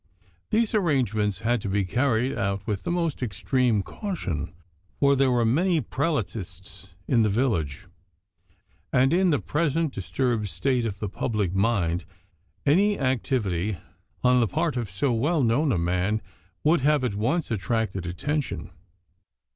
These arrangements had to be carried out with the most extreme caution, for there were many Prelatists in the village, and in the present disturbed state of the public mind any activity on the part of so well known a man would have at once attracted attention.